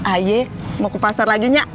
ayek mau ke pasar lagi nya